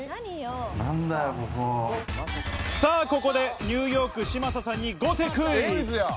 さあここで、ニューヨーク・嶋佐さんに豪邸クイズ。